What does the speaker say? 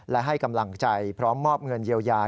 และให้กำลังใจพร้อมมอบเงินเยียวยา